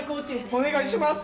お願いします！